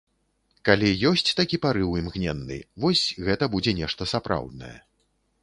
Калі ёсць такі парыў, імгненны, вось гэта будзе нешта сапраўднае.